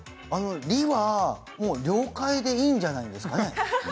りは、了解でいいんじゃないですかね。